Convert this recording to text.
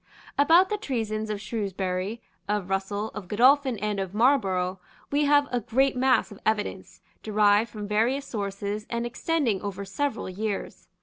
About the treasons of Shrewsbury, of Russell, of Godolphin and of Marlborough, we have a great mass of evidence, derived from various sources, and extending over several years.